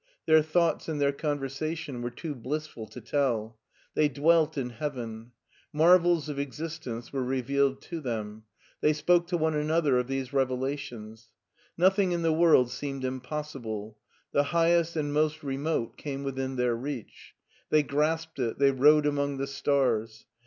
Their thoughts and their conversation were too blissful to tell. They dwelt in heaven. Marvels of existence were revealed to them; they spoke to one another of these revela tions. Nothing in the world seemed impossible. The highest and most remote came within their reach. They grasped it, they rode among the stars.